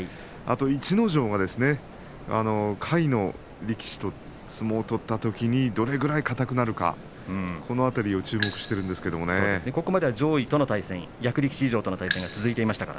逸ノ城が下位の力士と相撲を取ったときにどれぐらい硬くなるかこの辺りをここまでは上位の役力士以上との対戦が続いていました。